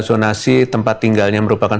zonasi tempat tinggalnya merupakan